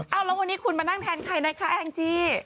เอาแล้ววันนี้คุณมานั่งแทนใครนะคะแองจี้